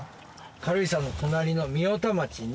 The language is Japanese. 軽井沢の隣の御代田町に。